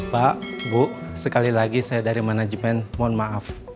pak bu sekali lagi saya dari manajemen mohon maaf